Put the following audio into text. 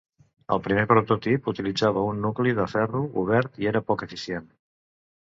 El primer prototip utilitzava un nucli de ferro obert i era poc eficient.